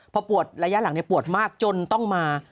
พอปวดระยะหลังปวดมากจนต้องมา